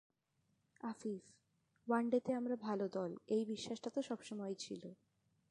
আফিফ: ওয়ানডেতে আমরা ভালো দল—এই বিশ্বাসটা তো সব সময়ই ছিল।